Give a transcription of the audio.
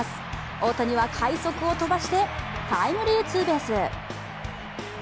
大谷は快足を飛ばしてタイムリーツーベース。